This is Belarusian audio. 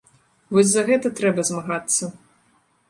Вось за гэта трэба змагацца.